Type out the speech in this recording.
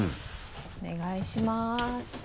お願いします。